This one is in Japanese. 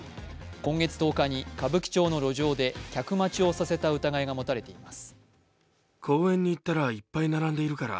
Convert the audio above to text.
今月１０日に歌舞伎町の路上で客待ちをさせた疑いが持たれています。